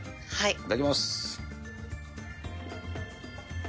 いただきます。